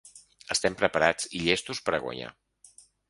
Estem preparats i llestos per a guanyar.